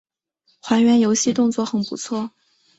还原游戏动作很不错